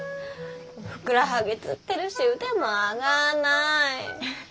ふくらはぎつってるし腕も上がんない！